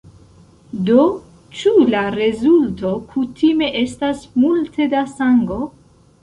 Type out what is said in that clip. Do ĉu la rezulto kutime estas multe da sango?